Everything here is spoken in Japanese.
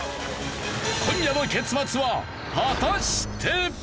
今夜の結末は果たして！？